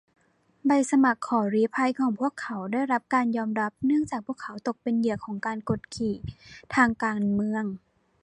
ใบสมัครขอลี้ภัยของพวกเขาได้รับการยอมรับเนื่องจากพวกเขาตกเป็นเหยื่อของการกดขี่ทางการเมือง